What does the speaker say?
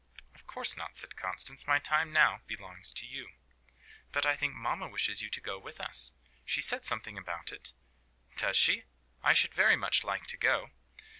"Of course not," said Constance. "My time now belongs to you." "But I think mamma wishes you to go with us. She said something about it." "Does she? I should very much like to go."